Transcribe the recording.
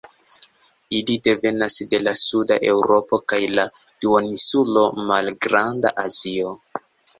Ili devenas de la suda Eŭropo kaj la duoninsulo Malgranda Azio.